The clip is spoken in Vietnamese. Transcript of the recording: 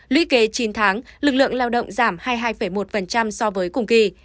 luy kế chín tháng lực lượng lao động giảm hai mươi hai một so với cùng kỳ